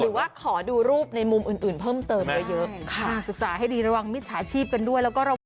หรือว่าขอดูรูปในมุมอื่นเพิ่มเติมเยอะค่ะศึกษาให้ดีระหว่างมิจฉาชีพกันด้วย